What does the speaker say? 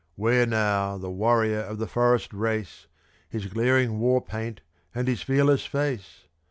Where now the warrior of the forest race, His glaring war paint and his fearless face?